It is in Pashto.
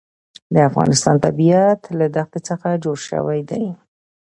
د افغانستان طبیعت له دښتې څخه جوړ شوی دی.